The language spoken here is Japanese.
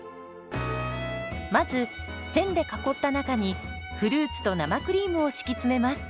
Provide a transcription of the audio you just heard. まず線で囲った中にフルーツと生クリームを敷き詰めます。